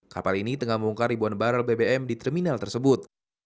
kapal ini tengah membongkar ribuan barrel bbm di terminal tersebut